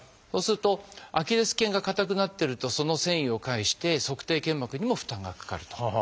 そうするとアキレス腱が硬くなってるとその線維を介して足底腱膜にも負担がかかると。